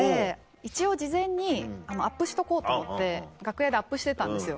一応事前にアップしとこうと思って楽屋でアップしてたんですよ。